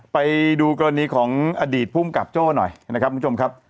ไปดูกรณีของอดีตภูมิกับโจ้หน่อยนะครับคุณผู้ชมครับ